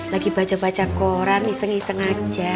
lagi baca baca koran iseng iseng aja